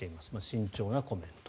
慎重なコメント。